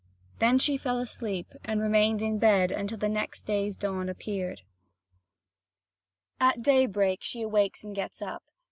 Then she fell asleep, and remained in bed until the next day's dawn appeared. (Vv. 1293 1368.) At daybreak she awakes and gets up.